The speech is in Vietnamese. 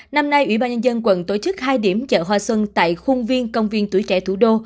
năm nay ủy ban nhân dân quận tổ chức hai điểm chợ hoa xuân tại khuôn viên công viên tuổi trẻ thủ đô